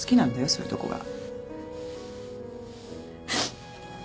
そういうとこが。